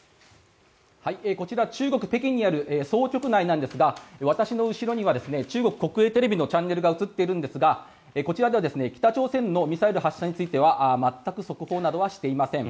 こちら中国・北京にある総局内なんですが私の後ろには中国国営テレビのチャンネルが映っているんですがこちらでは北朝鮮のミサイル発射については全く速報などはしていません。